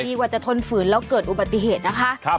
กว่าจะทนฝืนแล้วเกิดอุบัติเหตุนะคะ